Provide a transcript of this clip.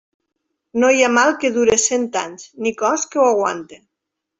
No hi ha mal que dure cent anys, ni cos que ho aguante.